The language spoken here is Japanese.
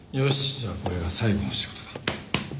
じゃあこれが最後の仕事だ。